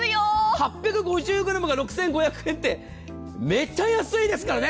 ８５０ｇが６５００円ってめっちゃ安いですからね！